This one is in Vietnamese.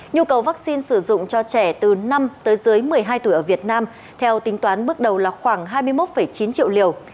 nhu cầu vaccine sử dụng cho trẻ từ năm tới dưới một mươi hai tuổi ở việt nam theo tính toán bước đầu là khoảng hai mươi một chín triệu liều